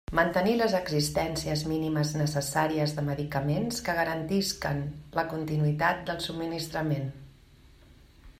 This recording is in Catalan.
Mantenir les existències mínimes necessàries de medicaments que garantisquen la continuïtat del subministrament.